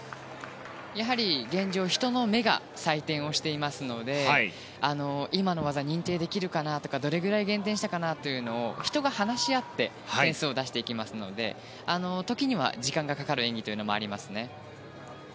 現状、人の目が採点をしていますので今の技、認定できるかなとかどれぐらい減点したかなと人が話し合って点数を出していきますので時には時間がかかる演技もありますね。